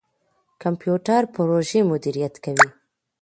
کمپيوټر پروژې مديريت کوي.